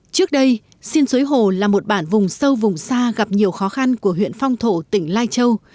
trước đây xin suối hồ là một bản vùng sâu vùng xa gặp nhiều khó khăn của huyện phong thổ tỉnh lai châu